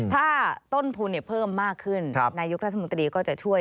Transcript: ถ้าต้นทุนเพิ่มมากขึ้นนายกรัฐมนตรีก็จะช่วย